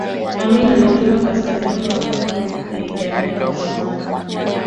amin alitumwa kaskazini mwa kenya kupigania wasomalia